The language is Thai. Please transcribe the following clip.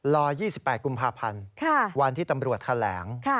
รอ๒๘กุมภาพันธ์วันที่ตำรวจแถลง